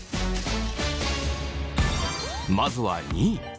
まずは２位。